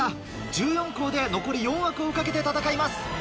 １４校で残り４枠を懸けて戦います。